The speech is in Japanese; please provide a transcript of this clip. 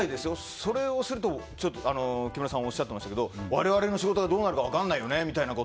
それを木村さんがおっしゃってましたけど我々の仕事がどうなるか分からないよねとか。